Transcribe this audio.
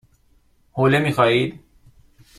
حوله می خواهید؟